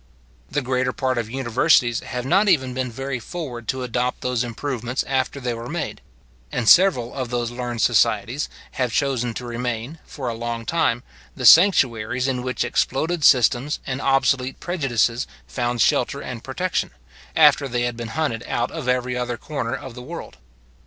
The greater part of universities have not even been very forward to adopt those improvements after they were made; and several of those learned societies have chosen to remain, for a long time, the sanctuaries in which exploded systems and obsolete prejudices found shelter and protection, after they had been hunted out of every other corner of the world.